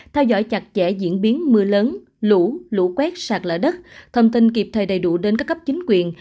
theo dõi chặt chẽ diễn biến mưa lớn lũ lũ quét sạt lở đất thông tin kịp thời đầy đủ đến các cấp chính quyền